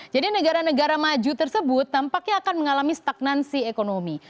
jadi negara negara maju tersebut tampaknya akan mengalami stagnansi ekonomi